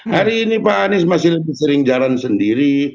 hari ini pak anies masih lebih sering jalan sendiri